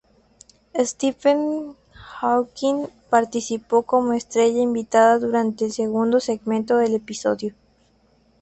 Stephen Hawking participó como estrella invitada durante el segundo segmento del episodio.